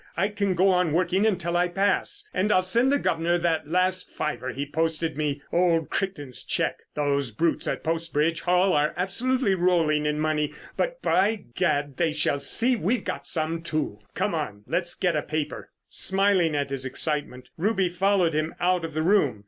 I can go on working until I pass. And I'll send the guv'nor that last fiver he posted me, old Crichton's cheque. Those brutes at Post Bridge Hall are absolutely rolling in money, but, by gad! they shall see we've got some, too. Come on, let's get a paper." Smiling at his excitement Ruby followed him out of the room.